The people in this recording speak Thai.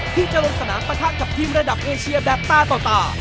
ที่จะลงสนามปะทะกับทีมระดับเอเชียแบบตาต่อตา